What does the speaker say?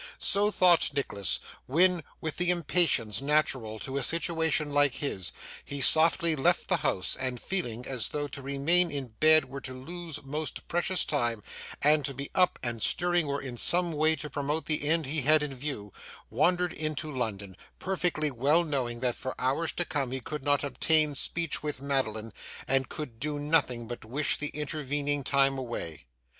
So thought Nicholas, when, with the impatience natural to a situation like his, he softly left the house, and, feeling as though to remain in bed were to lose most precious time, and to be up and stirring were in some way to promote the end he had in view, wandered into London; perfectly well knowing that for hours to come he could not obtain speech with Madeline, and could do nothing but wish the intervening time away.